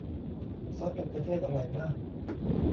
ซอสมะเขือเทศอร่อยมาก